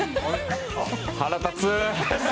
腹立つ！